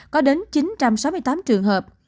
có đến chín trăm sáu mươi tám trường học